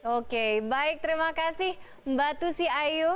oke baik terima kasih mbak tusi ayu